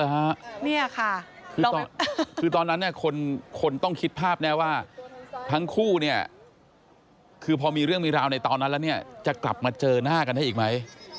นี่ค่ะคือตอนนั้นเนี่ยคนต้องคิดภาพแน่ว่าทั้งคู่เนี่ยคือพอมีเรื่องมีราวในตอนนั้นแล้วเนี่ยจะกลับมาเจอหน้ากันได้อีกไหม